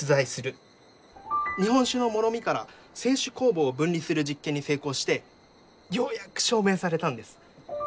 日本酒のもろみから清酒酵母を分離する実験に成功してようやく証明されたんです。